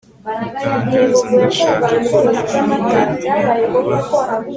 gutangaza Ndashaka ko ibi bitaba